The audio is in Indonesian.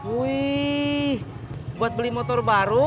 wih buat beli motor baru